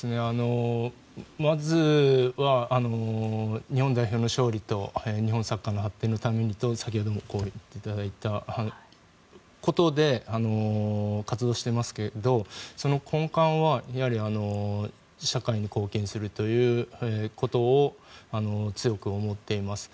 まずは、日本代表の勝利と日本サッカーの発展のためにと先ほども言っていただいたことで活動していますがその根幹は社会に貢献するということを強く思っています。